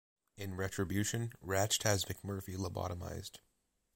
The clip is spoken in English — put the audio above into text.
In retribution, Ratched has McMurphy lobotomized.